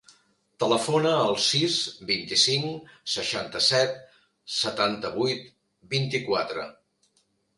Telefona al sis, vint-i-cinc, seixanta-set, setanta-vuit, vint-i-quatre.